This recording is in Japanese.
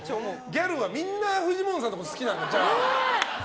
ギャルはみんなフジモンさんのこと好きなんだ、じゃあ。